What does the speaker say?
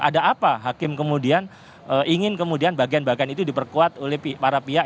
ada apa hakim kemudian ingin kemudian bagian bagian itu diperkuat oleh para pihak